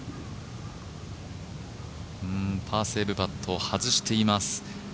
パーセーブパットを外しています。